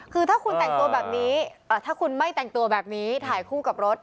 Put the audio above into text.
คือถ้าคุณแต่งตัวแบบนี้ถ้าคุณไม่แต่งตัวแบบนี้ถ่ายคู่กับรถ